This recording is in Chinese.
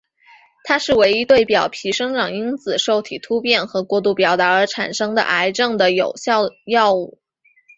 它是唯一对表皮生长因子受体突变跟过度表达而产生的癌症的有效药物。